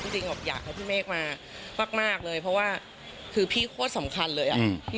จริงแบบอยากให้พี่เมฆมามากเลยเพราะว่าคือพี่โคตรสำคัญเลยอ่ะ